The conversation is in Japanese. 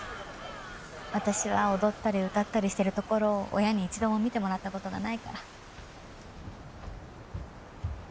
私は踊ったり歌ったりしてるところを親に一度も見てもらったことがないから。